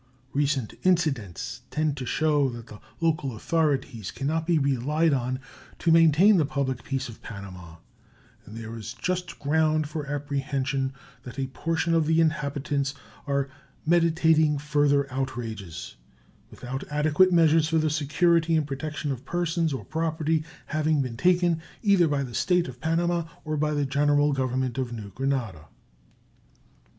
Recent incidents tend to show that the local authorities can not be relied on to maintain the public peace of Panama, and there is just ground for apprehension that a portion of the inhabitants are meditating further outrages, without adequate measures for the security and protection of persons or property having been taken, either by the State of Panama or by the General Government of New Granada.